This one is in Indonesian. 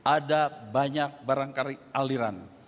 ada banyak barangkali aliran